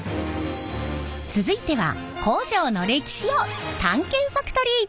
続いては工場の歴史を探検ファクトリー！